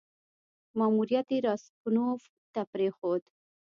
ماموریت یې راسګونوف ته پرېښود.